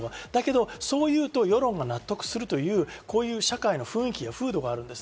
だけどそう言うと世論が納得するという、こういう社会の雰囲気、風土がある。